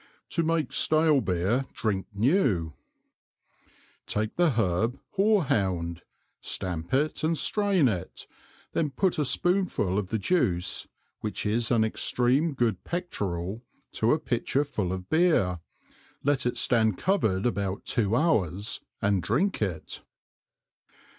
To make stale Beer drink new. Take the Herb Horehound stamp it and strain it, then put a Spoonful of the juice (which is an extream good Pectoral) to a pitcher full of Beer, let it stand covered about two Hours and drink it.